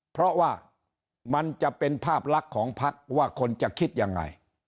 เพราะว่ามันจะเป็นภาพลักษณ์ของพักว่าคนจะคิดยังไง